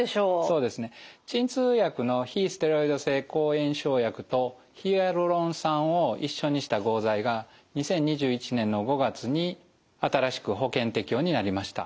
そうですね鎮痛薬の非ステロイド性抗炎症薬とヒアルロン酸を一緒にした合剤が２０２１年の５月に新しく保険適用になりました。